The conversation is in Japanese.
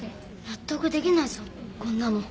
納得できないぞこんなの。